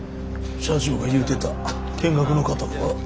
社長が言うてた見学の方か？